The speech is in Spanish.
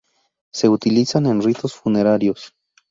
Se utilizan en ritos funerarios.